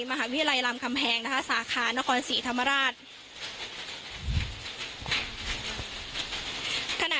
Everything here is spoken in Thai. มหาวิรัยรำคัมแพงนะคะสาขานครศรีธรรมราช